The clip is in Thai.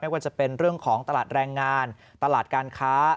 ว่าจะเป็นเรื่องของตลาดแรงงานตลาดการค้า